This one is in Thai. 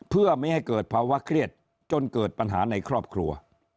เพื่อไม่ให้เกิดภาวะเครียดจนเกิดปัญหาในครอบครัว